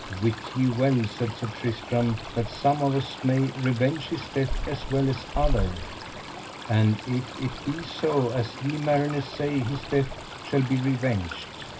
Wit ye well, said Sir Tristram, that some of us may revenge his death as well as other, and if it be so as ye mariners say his death shall be revenged.